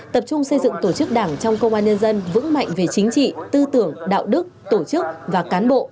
tập trung xây dựng tổ chức đảng trong công an nhân dân vững mạnh về chính trị tư tưởng đạo đức tổ chức và cán bộ